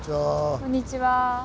こんにちは。